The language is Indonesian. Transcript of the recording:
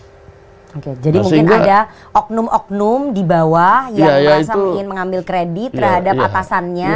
oke jadi mungkin ada oknum oknum di bawah yang merasa ingin mengambil kredit terhadap atasannya